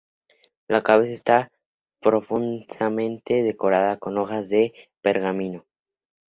La cabeza está profusamente decorada con hojas de pergamino.